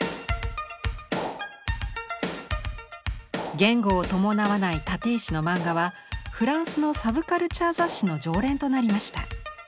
言語を伴わない立石のマンガはフランスのサブカルチャー雑誌の常連となりました。